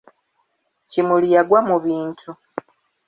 Kimuli yagwa mu bintu.